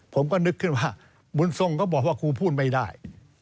ผมก็นึกขึ้นว่าบุญทรงก็บอกว่าครูพูดไม่ได้